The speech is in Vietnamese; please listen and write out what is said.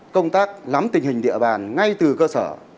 công tác lắm tình hình địa bàn ngay từ cơ sở